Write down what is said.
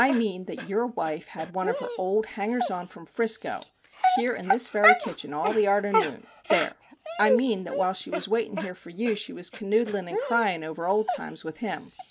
1 mean that your wife had one of her old hangers on from Frisco here in this very kitchen all the arter noon ; there ! I mean that whiles she was waitin' here for you she was canoodlin' and cryin' over old times with him